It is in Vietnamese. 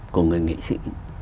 của người nghệ sĩ